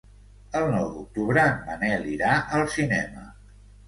El nou d'octubre en Manel irà al cinema.